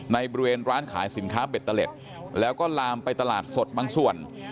ในบริเวณร้านขายสินค้าเบตเตอร์เล็ตแล้วก็ลามไปตลาดสดบางส่วน